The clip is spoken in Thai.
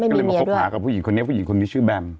อ๋อไม่มีเมียด้วยเสร็จก็เลยมาคบหากับผู้หญิงคนนี้ผู้หญิงคนนี้ชื่อแบม